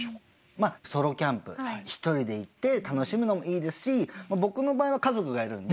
まあソロキャンプ１人で行って楽しむのもいいですし僕の場合は家族がいるんで家族で行くよさっていうのは